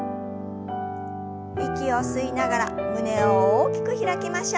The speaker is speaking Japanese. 息を吸いながら胸を大きく開きましょう。